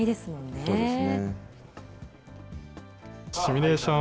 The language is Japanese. そうですね。